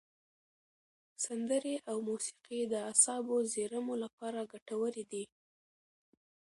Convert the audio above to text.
سندرې او موسیقي د اعصابو زېرمو لپاره ګټورې دي.